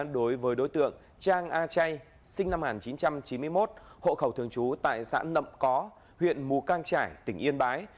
đối với đối tượng trang a chay sinh năm một nghìn chín trăm chín mươi một hộ khẩu thường trú tại xã nậm có huyện mù căng trải tỉnh yên bái